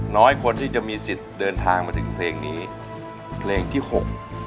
น้อยคนที่จะมีสิทธิ์เดินทางมาถึงเพลงนี้เพลงที่หก